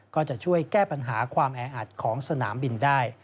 ก็จะช่วยแก้ปัญหาความแออัดของสนามบินได้